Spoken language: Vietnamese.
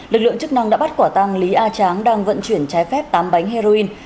lực lượng chức năng đã bắt quả tăng lý a tráng đang vận chuyển trái phép tám bánh heroin